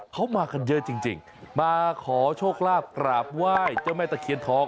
เขามากันเยอะจริงมาขอโชคลาภกราบไหว้เจ้าแม่ตะเคียนทอง